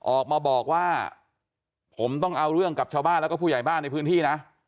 ออกมาบอกว่าผมต้องเอาเรื่องกับชาวบ้านแล้วก็ผู้ใหญ่บ้านในพื้นที่นะ